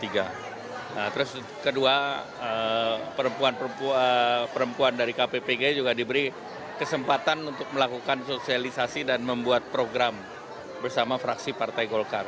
nah terus kedua perempuan dari kppg juga diberi kesempatan untuk melakukan sosialisasi dan membuat program bersama fraksi partai golkar